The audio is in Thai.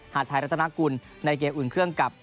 ไทยรัฐนากุลในเกมอุ่นเครื่องกับ